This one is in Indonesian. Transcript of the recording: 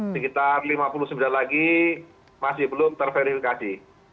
sekitar lima puluh sembilan lagi masih belum terverifikasi